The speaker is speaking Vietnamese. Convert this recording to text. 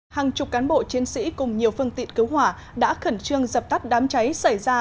hàng chục cán bộ chiến sĩ cùng nhiều phương tiện cứu hỏa đã khẩn trương dập tắt đám cháy xảy ra